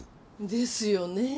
ですよねえ。